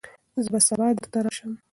زه به سبا درته راشم.